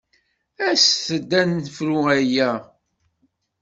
Aset-d ad nefru aya!